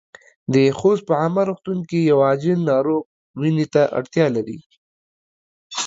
د خوست په عامه روغتون کې يو عاجل ناروغ وينې ته اړتیا لري.